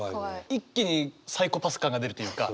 一気にサイコパス感が出るというか。